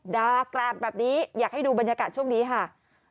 ดากราดแบบนี้อยากให้ดูบรรยากาศช่วงนี้ค่ะ